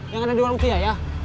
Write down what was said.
yang ada di warung kia ya